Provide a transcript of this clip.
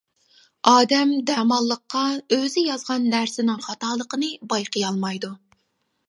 ئادەم دەماللىققا ئۆزى يازغان نەرسىنىڭ خاتالىقىنى بايقىيالمايدۇ.